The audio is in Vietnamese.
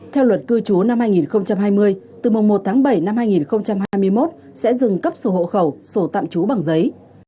theo luật cư trú năm hai nghìn hai mươi từ mùng một tháng bảy năm hai nghìn hai mươi một sẽ dừng cấp sổ hộ khẩu sổ tạm trú bằng giấy